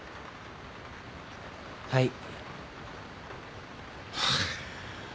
はい。